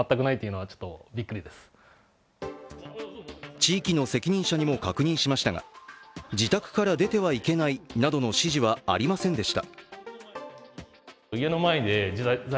地域の責任者にも確認しましたが、自宅から出てはいけないなどの指示はありませんでした。